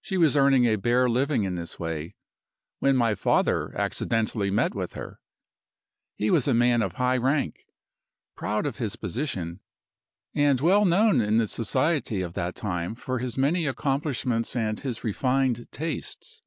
"She was earning a bare living in this way, when my father accidentally met with her. He was a man of high rank, proud of his position, and well known in the society of that time for his many accomplishments and his refined tastes.